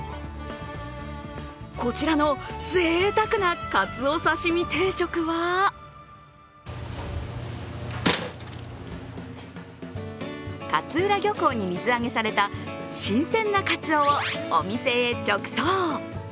こちらのぜいたくなかつお刺身定食は勝浦漁港に水揚げされた新鮮なかつおをお店へ直送。